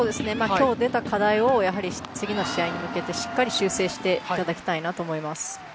今日の課題を次の試合に向けてしっかり修正していただきたいなと思います。